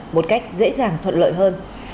một cách dễ dàng thuận lợi hơn